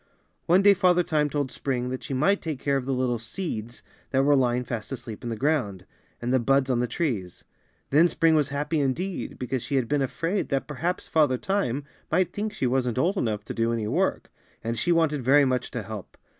One day Father Time told Spring that she might take care of the little seeds that were lying fast asleep in the ground, and the buds on the trees. Then Spring was happy indeed, because she had been afraid that perhaps Father Time might think she wasn't old enough to do any work, and she wanted very much to help.